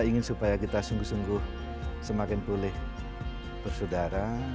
ingin supaya kita sungguh sungguh semakin pulih bersaudara